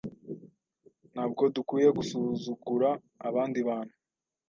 Ntabwo dukwiye gusuzugura abandi bantu.